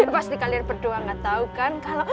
pasti kalian berdua nggak tahu kan